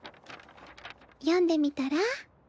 読んでみたら？